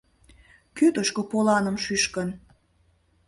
Кӧ тушко поланым шӱшкын?